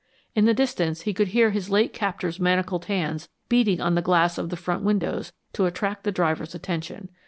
In the distance he could hear his late captor's manacled hands beating on the glass of the front windows to attract the driver's attention.